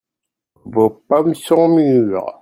Vos pommes sont mûres.